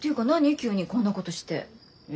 急にこんなことして。え？